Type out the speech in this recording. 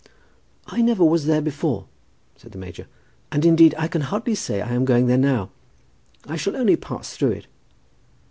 "I never was there before," said the major, "and indeed I can hardly say I am going there now. I shall only pass through it."